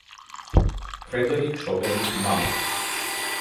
ფრედერიკ შოპენის მამა.